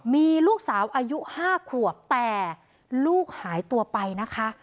มีลูกสาวอายุ๕ขวบแต่ลูกหายตัวไปนะคะ